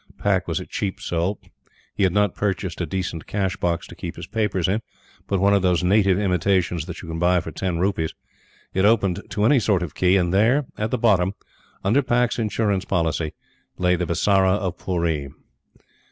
Pack was a cheap soul. He had not purchased a decent cash box to keep his papers in, but one of those native imitations that you buy for ten rupees. It opened to any sort of key, and there at the bottom, under Pack's Insurance Policy, lay the Bisara of Pooree!